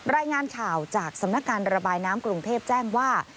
รายงานข่าวจากสำนักการระบายน้ำกรุงเทพแจ้งว่า